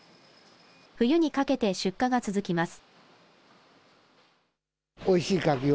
冬にかけて出荷が続きます。